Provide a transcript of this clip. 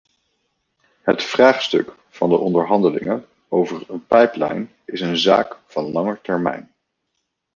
Het vraagstuk van de onderhandelingen over een pijplijn is een zaak van lange termijn.